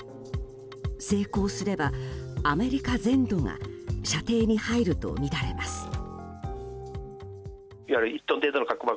成功すれば、アメリカ全土が射程に入るとみられます。